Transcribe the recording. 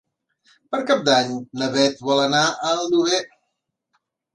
Per Cap d'Any na Beth vol anar a Aldover.